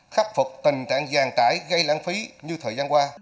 khắc phục tình trạng giàn trải gây lãng phí như thời gian qua